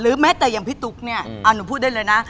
หรือแม้แต่พี่ทุกค์เนี่ยอ้าวหนูพูดได้เลยนะ